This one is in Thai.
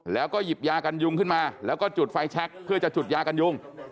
แล้วก็หยิบยากันยุงขึ้นมาแล้วก็จุดไฟแชคเพื่อจะจุดยากันยุง